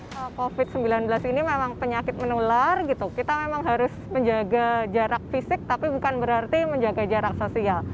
kalau covid sembilan belas ini memang penyakit menular gitu kita memang harus menjaga jarak fisik tapi bukan berarti menjaga jarak sosial